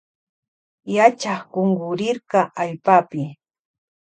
Yachak kunkurirka allpapi.